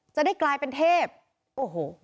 จะได้กลายเป็นเทพโอ้โห